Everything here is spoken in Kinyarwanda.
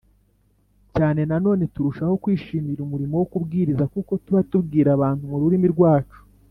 Cyane nanone turushaho kwishimira umurimo wo kubwiriza kuko tuba tubwira abantu mu rurimi rwacu